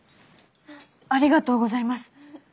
ありがとうございます。